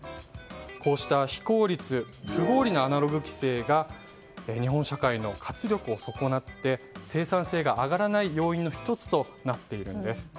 こうした非効率不合理なアナログ規制が日本社会の活力を損なって生産性が上がらない要因の１つとなっているんです。